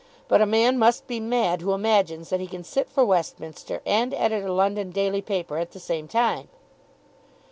But a man must be mad who imagines that he can sit for Westminster and edit a London daily paper at the same time."